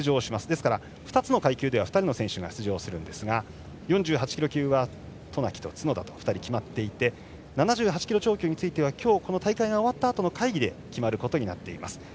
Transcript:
ですから２つの階級では２人の選手が出場するんですが４８キロ級は渡名喜と角田と２人が決まっていて７８キロ超級については今日、この大会が終わったあとの会議で決まることになっています。